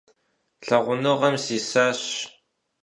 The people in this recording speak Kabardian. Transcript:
Лъагъуныгъэм сисащ…